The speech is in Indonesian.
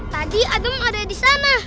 tadi adung ada di sana